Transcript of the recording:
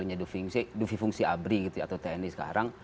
terkait dengan potensi kembalinya dufi fungsi abri atau tni sekarang